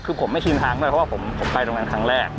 คือผมไม่ชินทางด้วยเพราะว่าผมไปตรงนั้นครั้งแรก